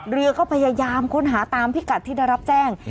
เรือก็พยายามค้นหาตามพิกัดที่ได้รับแจ้ง